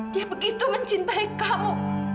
dia begitu mencintai kamu